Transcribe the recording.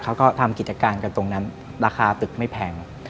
เขาก็ทำกิจการกันตรงนั้นราคาตึกไม่แพง